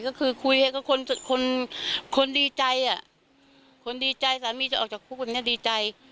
ก็คือคุยให้เขาคนดีใจคนดีใจสามีจะออกจากคุกวันนี้ดีใจ